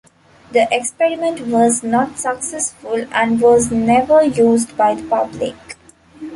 The experiment was not successful and was never used by the public.